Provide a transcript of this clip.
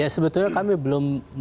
ya sebetulnya kami belum mengkajukan